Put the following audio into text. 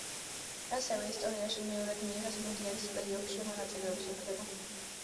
ასევე ისტორიაში მეორედ მიიღეს მუნდიალის პლეი-ოფში მონაწილეობის უფლება.